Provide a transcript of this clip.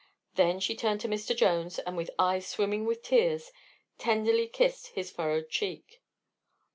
Then she turned to Mr. Jones and with eyes swimming with tears tenderly kissed his furrowed cheek.